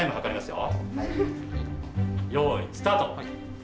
よいスタート。